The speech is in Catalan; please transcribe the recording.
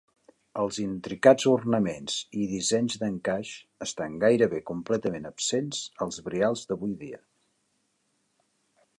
Els intricats ornaments i dissenys d'encaix estan gairebé completament absents als brials d'avui dia.